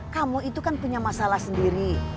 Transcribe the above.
kamu itu kan punya masalah sendiri